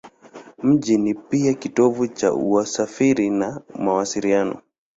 Mji ni pia kitovu cha usafiri na mawasiliano.